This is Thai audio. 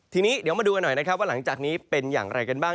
ทีนี้เดี๋ยวมาดูกันหน่อยนะครับว่าหลังจากนี้เป็นอย่างไรกันบ้าง